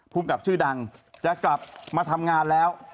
ภูมิกับชื่อดังจะกลับมาทำงานแล้ว